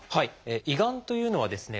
胃がんというのはですね